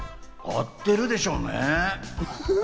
会ってるでしょうね。